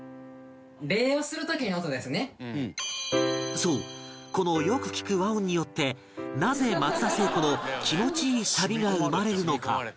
そうこのよく聴く和音によってなぜ松田聖子の気持ちいいサビが生まれるのか？